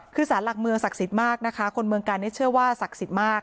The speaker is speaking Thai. คือสารหลักเมืองศักดิ์สิทธิ์มากนะคะคนเมืองกาลนี้เชื่อว่าศักดิ์สิทธิ์มาก